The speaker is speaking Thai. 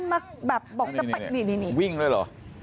เป็นไงวิ่งได้หรือ